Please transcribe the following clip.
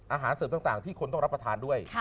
อาหารเสริมต่างที่คนต้องรับประทานด้วย